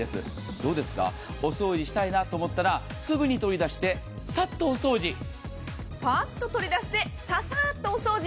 どうですか、お掃除したいなと思ったらすぐに取り出してぱっと取り出してささっとお掃除。